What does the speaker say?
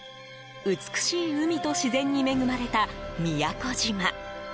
美しい海と自然に恵まれた宮古島。